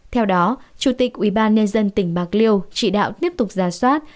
theo đó chủ tịch ubnd tỉnh bạc liêu chỉ đạo tiếp tục ra soát